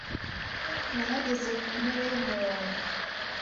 Nahagaze kumpera yumurongo.